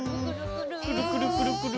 くるくるくるくる！